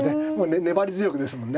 粘り強くですもんね。